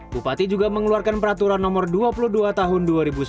bupati juga mengeluarkan peraturan nomor dua puluh dua tahun dua ribu sembilan belas